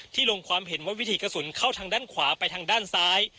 ลงความเห็นว่าวิถีกระสุนเข้าทางด้านขวาไปทางด้านซ้าย